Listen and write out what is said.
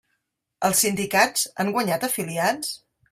Els sindicats han guanyat afiliats?